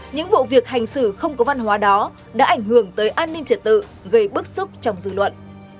những vụ việc hành xử không có văn hóa đó đã ảnh hưởng tới an ninh trật tự gây bức xúc trong dư luận